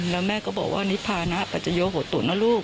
และแม่ก็บอกว่านิพานปัจจโยโหตุ